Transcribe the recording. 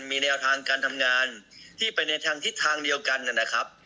มีแนวทางการทำงานที่ไปในทางทิศทางเดียวกันนะครับ